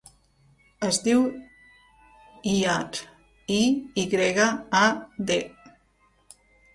Es diu Iyad: i, i grega, a, de.